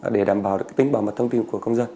để đảm bảo được tính bảo mật thông tin của công dân